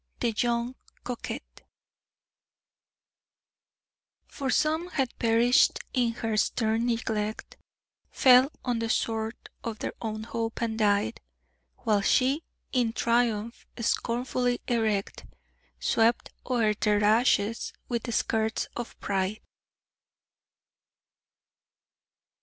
THE YOUNG COQUETTE. "For some had perished in her stern neglect Fell on the sword of their own hope and died; While she in triumph, scornfully erect, Swept o'er their ashes with the skirts of pride."